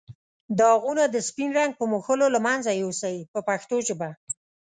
داغونه د سپین رنګ په مښلو له منځه یو سئ په پښتو ژبه.